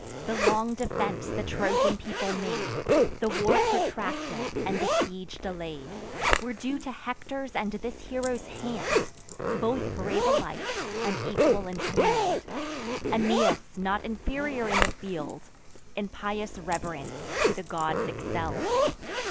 The long defence the Trojan people made, The war protracted, and the siege delay'd, Were due to Hector's and this hero's hand: Both brave alike, and equal in command; Aeneas, not inferior in the field, In pious reverence to the gods excell'd.